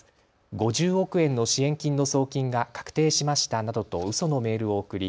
５０億円の支援金の送金が確定しましたなどとうそのメールを送り